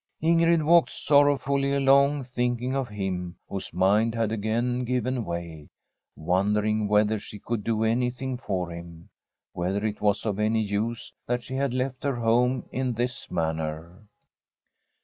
Ingrid walked sorrowfully along, thinking of him whose mind had again given way, wonder ing whether she could do anything for him, whether it was of any use that she had left her home in this manner.